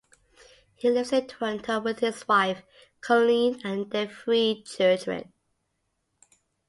He lives in Toronto with his wife Colleen and their three children.